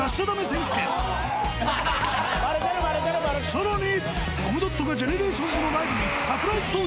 ［さらに］